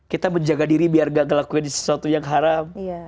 kita menjaga diri biar gak ngelakuin sesuatu yang haram